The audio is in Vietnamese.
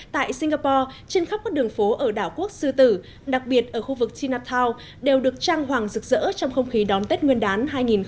tại singapore trên khắp các đường phố ở đảo quốc sư tử đặc biệt ở khu vực chinatown đều được trang hoàng rực rỡ trong không khí đón tết nguyên đán hai nghìn một mươi bảy